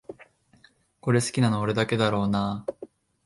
これ好きなの俺だけだろうなあ